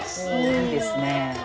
いいですね。